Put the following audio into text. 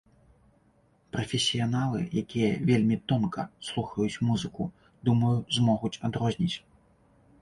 Прафесіяналы, якія вельмі тонка слухаюць музыку, думаю, змогуць адрозніць.